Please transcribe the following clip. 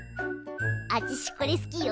あちしこれ好きよ。